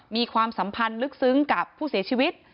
ความสัมพันธ์ลึกซึ้งกับผู้เสียชีวิต